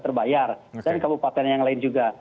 terbayar dan kabupaten yang lain juga